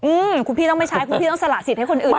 อืมคุณพี่ต้องไม่ใช้คุณพี่ต้องสละสิทธิ์ให้คนอื่น